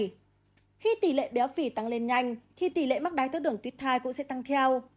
khi tỷ lệ béo phì tăng lên nhanh thì tỷ lệ mắc đáy thác đường tuyết thai cũng sẽ tăng theo